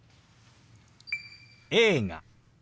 「映画」。